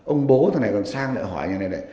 ông bố thằng này còn sang lại hỏi nhà này